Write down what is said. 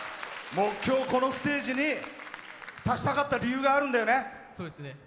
今日、このステージに立ちたかった理由があるんだよね。